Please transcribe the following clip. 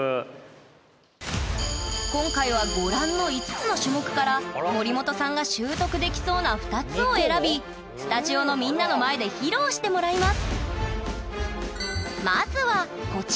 今回はご覧の５つの種目から森本さんが習得できそうな２つを選びスタジオのみんなの前で披露してもらいます！